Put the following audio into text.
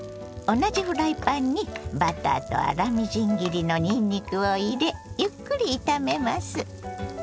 同じフライパンにバターと粗みじん切りのにんにくを入れゆっくり炒めます。